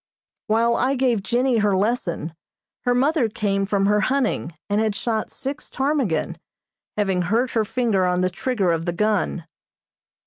While I gave Jennie her lesson her mother came from her hunting, and had shot six ptarmigan, having hurt her finger on the trigger of the gun.